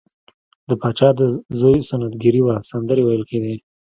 د پاچا د زوی سنت ګیری وه سندرې ویل کیدې.